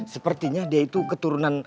sepertinya dia itu keturunan